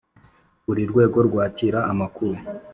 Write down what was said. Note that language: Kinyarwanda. buri rwego rwakira amakuru